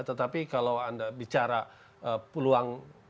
tetapi kalau anda bicara peluang